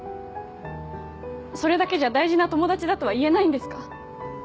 それだけじゃ大事な友達だとは言えないんですか？